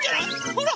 ほら！